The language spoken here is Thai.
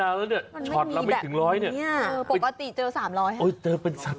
ในนั้นชอตแล้วไม่ถึงร้อยเนี่ย